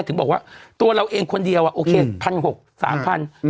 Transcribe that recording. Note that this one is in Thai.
ถึงบอกว่าตัวเราเองคนเดียวโอเค๑๖๐๐๓๐๐บาท